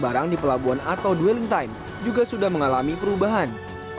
barang di pelabuhan atau dwelling time juga sudah mengalami perubahan